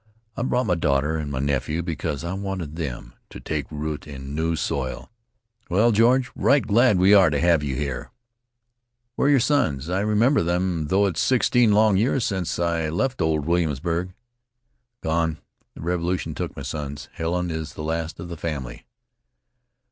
I brought my daughter and my nephew because I wanted them to take root in new soil." "Well, George, right glad we are to have you. Where are your sons? I remember them, though 'tis sixteen long years since I left old Williamsburg." "Gone. The Revolution took my sons. Helen is the last of the family."